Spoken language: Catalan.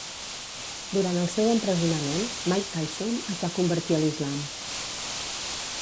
Durant el seu empresonament, Mike Tyson es va convertir a l'Islam.